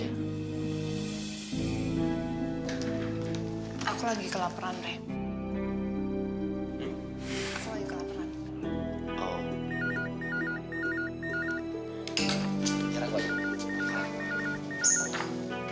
enggak enggak pasti salah